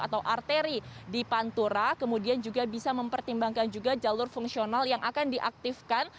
atau arteri di pantura kemudian juga bisa mempertimbangkan juga jalur fungsional yang akan diaktifkan